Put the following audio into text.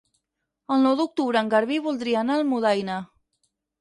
El nou d'octubre en Garbí voldria anar a Almudaina.